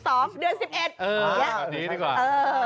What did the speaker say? ตอนนี้ดีกว่า